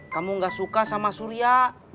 kamu gak suka sama surya